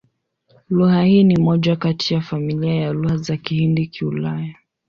Lugha hii ni moja kati ya familia ya Lugha za Kihindi-Kiulaya.